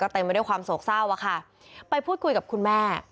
เต็มไปด้วยความโศกเศร้าอะค่ะไปพูดคุยกับคุณแม่